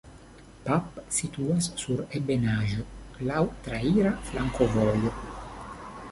Pap situas sur ebenaĵo, laŭ traira flankovojo.